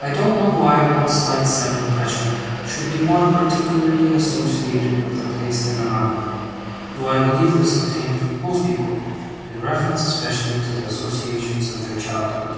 I don't know why one slight set of impressions should be more particularly associated with a place than another, though I believe this obtains with most people, in reference especially to the associations of their childhood.